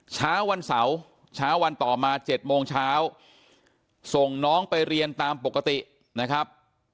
เช้าวันเสาร์เช้าวันต่อมา๗โมงเช้าส่งน้องไปเรียนตามปกตินะครับ